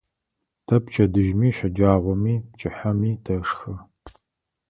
Тэ пчэдыжьыми, щэджагъоми, пчыхьэми тэшхэ.